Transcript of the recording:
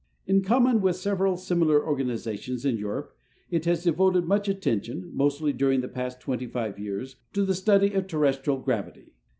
In common with several similar organizations in Europe, it has devoted much attention, mostly during the past twenty five years, to the study of terrestrial gravity.